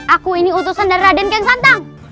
aku ini utusan dari raden ken santang